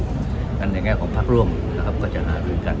อันนั้นในแง่ของภักดิ์ร่วมก็จะหาร่วมกัน